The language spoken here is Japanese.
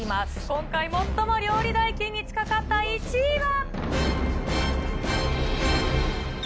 今回最も料理代金に近かった１位は。